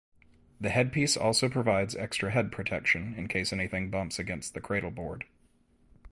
The headpiece also provides extra head protection in case anything bumps against the cradleboard.